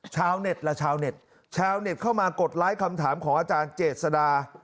ชาวเน็ตและชาวเน็ตชาวเน็ตเข้ามากดไลค์คำถามของอาจารย์เจษดา